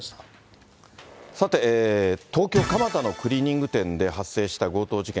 さて、東京・蒲田のクリーニング店で発生した強盗事件。